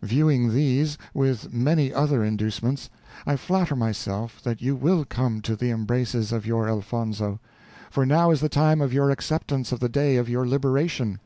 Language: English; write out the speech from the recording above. Viewing these, with many other inducements, I flatter myself that you will come to the embraces of your Elfonzo; for now is the time of your acceptance of the day of your liberation.